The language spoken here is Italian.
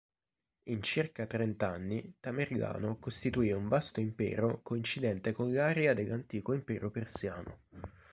In circa trent'anni, Tamerlano costituì un vasto impero coincidente con l'area dell'antico impero persiano.